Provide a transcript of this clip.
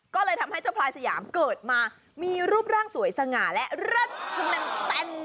ก็เลยทำให้เจ้าพลายสยามเกิดมามีรูปร่างสวยสง่าและเลิศมันแตน